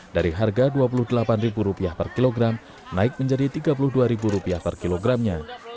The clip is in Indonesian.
dari harga rp dua puluh delapan per kilogram naik menjadi rp tiga puluh dua per kilogramnya